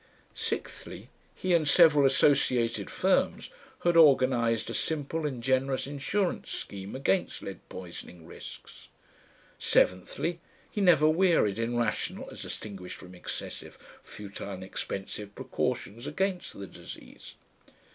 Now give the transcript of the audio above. Sixthly, he and several associated firms had organised a simple and generous insurance scheme against lead poisoning risks. Seventhly, he never wearied in rational (as distinguished from excessive, futile and expensive) precautions against the disease.